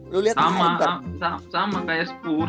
lu liat nih ntar